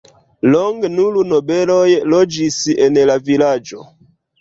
Longe nur nobeloj loĝis en la vilaĝo.